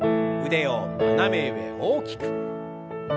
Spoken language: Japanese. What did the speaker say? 腕を斜め上大きく。